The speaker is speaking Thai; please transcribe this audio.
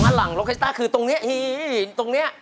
งั้นหลังล็อกคาชิต้าคือตรงนี้ตรงนี้